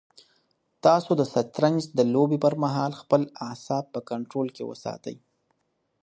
تاسو د شطرنج د لوبې پر مهال خپل اعصاب په کنټرول کې وساتئ.